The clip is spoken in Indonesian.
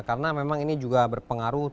karena memang ini juga berpengaruh